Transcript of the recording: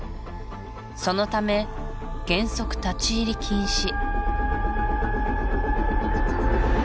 そのため原則立ち入り禁止